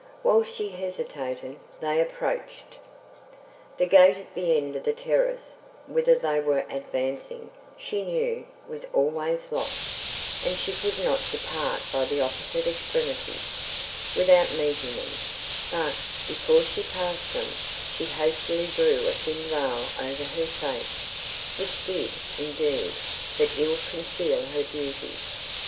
While she hesitated, they approached. The gate at the end of the terrace, whither they were advancing, she knew, was always locked, and she could not depart by the opposite extremity, without meeting them; but, before she passed them, she hastily drew a thin veil over her face, which did, indeed, but ill conceal her beauty.